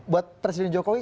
buat presiden jokowi